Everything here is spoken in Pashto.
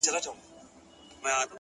دومره حيا مه كوه مړ به مي كړې!!